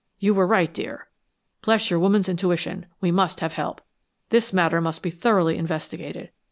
You were right, dear, bless your woman's intuition; we must have help. This matter must be thoroughly investigated.